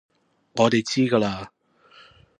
我哋知㗎喇